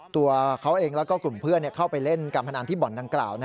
ตัวเขาเองแล้วก็กลุ่มเพื่อนเข้าไปเล่นการพนันที่บ่อนดังกล่าว